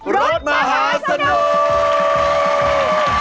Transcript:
รถมหาสนุกแชทแชทง้อนโอเค